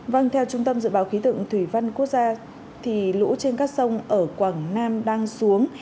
vâng theo trung tâm dự báo khí tượng thủy văn quốc gia lũ trên các sông ở quảng nam đang xuống